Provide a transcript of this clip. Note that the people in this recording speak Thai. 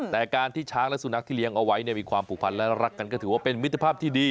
แต่การที่ช้างและสุนัขที่เลี้ยงเอาไว้มีความผูกพันและรักกันก็ถือว่าเป็นมิตรภาพที่ดี